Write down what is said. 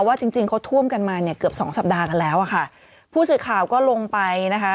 จริงจริงเขาท่วมกันมาเนี่ยเกือบสองสัปดาห์กันแล้วอ่ะค่ะผู้สื่อข่าวก็ลงไปนะคะ